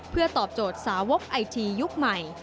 เพื่อตอบโจทย์สาวกไอจียุคใหม่